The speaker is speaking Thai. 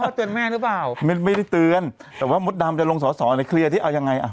เตือนแม่หรือเปล่าไม่ได้เตือนแต่ว่ามดดำจะลงสอสอหรือเคลียร์ที่เอายังไงอ่ะ